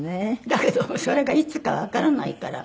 だけどそれがいつかわからないから。